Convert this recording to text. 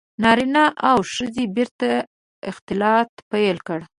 • نارینه او ښځو بېرته اختلاط پیل کړ.